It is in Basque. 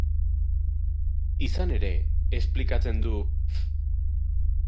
Izan ere, esplikatzen du F.